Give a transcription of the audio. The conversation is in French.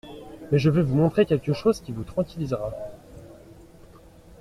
Mais je vais vous montrer quelque chose qui vous tranquillisera.